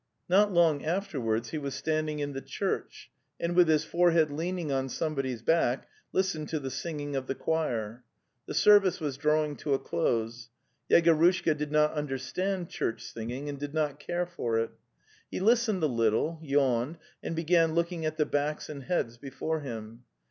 Not long afterwards he was standing in the church, and with his forehead leaning on some body's back, listened to the singing of the choir. The service was drawing to a close. Yegorushka did not understand church singing and did not care for it. He listened a little, yawned, and began look ing at the backs and heads before him.